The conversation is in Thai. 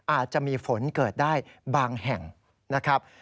อาจจะมีฝนเกิดได้บางแห่งนะครับ